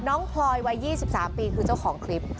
พลอยวัย๒๓ปีคือเจ้าของคลิป